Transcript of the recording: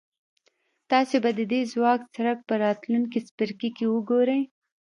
تاسې به د دې ځواک څرک په راتلونکي څپرکي کې وګورئ.